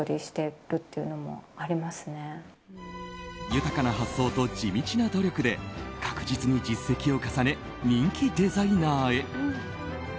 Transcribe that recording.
豊かな発想と地道な努力で確実に実績を重ね人気デザイナーへ。